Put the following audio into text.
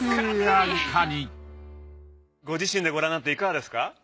ご自身でご覧になっていかがですか？